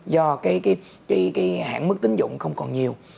do cái hạn mức tín dụng không còn nhiều